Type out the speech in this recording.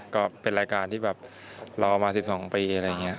ก็เป็นรายการที่แบบรอมา๑๒ปีอะไรอย่างนี้